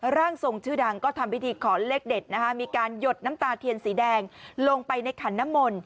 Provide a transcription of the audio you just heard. ร่างทรงชื่อดังก็ทำพิธีขอเลขเด็ดนะคะมีการหยดน้ำตาเทียนสีแดงลงไปในขันน้ำมนต์